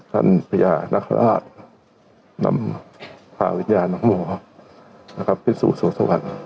ท่านพระยานักฮราชนำพาวิญญาณน้องโมนะครับขึ้นสู่โสษวรรค์